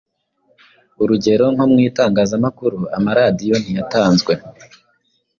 Urugero nko mu itangazamakuru amaradiyo ntiyatanzwe,